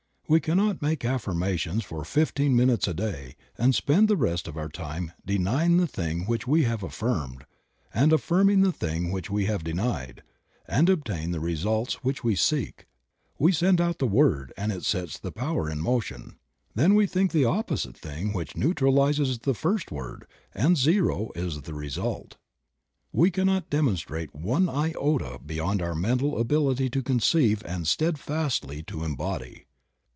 We cannot make affirmations for fifteen minutes a day and spend the rest of our time denying the thing which we have affirmed, and affirming the thing which we have denied, and obtain the results which we seek. We send out the word and it sets the power in motion; then we think the opposite thing which neutralizes the first word, and zero is the result. Creative Mind. 39 We cannot demonstrate one iota beyond our mental ability to conceive and steadfastly to embody.